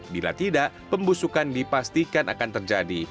bila tidak pembusukan dipastikan akan terjadi